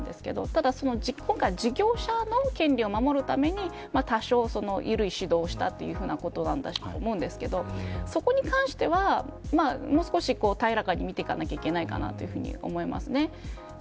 ただ今回事業者の権利を守るために多少緩い指導をした、ということなんだと思うんですけどそこに関してはもう少し、平らかに見ていかなければいけないと思います。